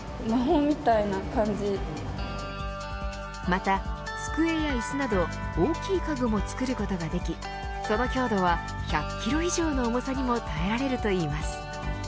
また、机や椅子など大きい家具も作ることができその強度は１００キロ以上の重さにも耐えられるといいます。